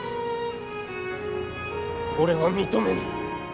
俺は認めぬ。